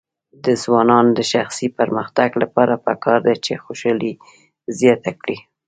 د ځوانانو د شخصي پرمختګ لپاره پکار ده چې خوشحالي زیاته کړي.